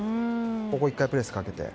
１回、プレスかけて。